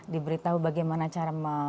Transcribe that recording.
diberitahu bagaimana cara